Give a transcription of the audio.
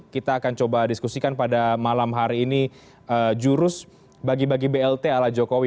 kita akan coba diskusikan pada malam hari ini jurus bagi bagi blt ala jokowi